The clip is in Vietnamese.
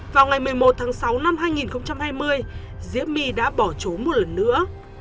vào ngày một mươi một tháng sáu năm hai nghìn hai mươi diễm my đã bỏ trốn một lần nữa